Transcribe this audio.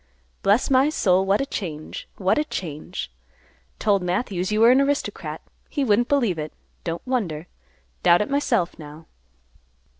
"Bless my soul, what a change! What a change! Told Matthews you were an aristocrat. He wouldn't believe it. Don't wonder. Doubt it myself, now."